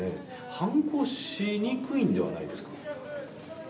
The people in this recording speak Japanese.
犯行しにくいんではないですか？